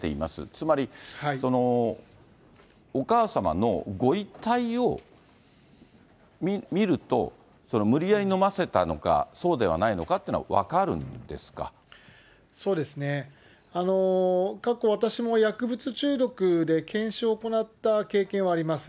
つまり、お母様のご遺体を見ると、無理やり飲ませたのか、そうではないのかっていうのは分かるんでそうですね、過去、私も薬物中毒で検視を行った経験はあります。